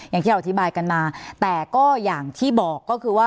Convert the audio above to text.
อย่างที่เราอธิบายกันมาแต่ก็อย่างที่บอก